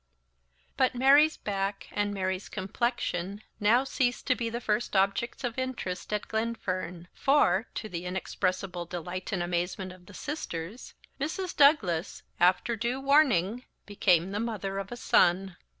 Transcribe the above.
_ BUT Mary's back and Mary's complexion now ceased to be the first objects of interest at Glenfern; for, to the inexpressible delight and amazement of the sisters, Mrs. Douglas, after due warning, became the mother of a son.